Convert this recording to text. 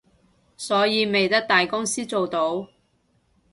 所以咪得大公司做到